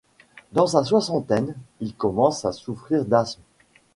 Dans sa soixantaine, il commence à souffrir d'ashme.